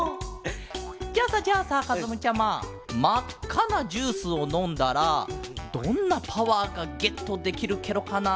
じゃあさじゃあさかずむちゃままっかなジュースをのんだらどんなパワーがゲットできるケロかな？